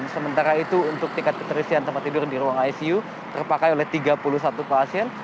dan sementara itu untuk tingkat keterisian tempat tidur di ruang icu terpakai oleh tiga puluh satu pasien